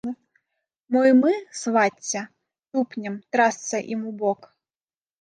Мо і мы, свацця, тупнем, трасца ім у бок?